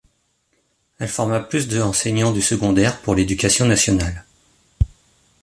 Elle forma plus de enseignants du secondaire pour l'Éducation nationale.